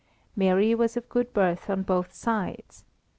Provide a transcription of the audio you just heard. Mary was of good birth on both sides.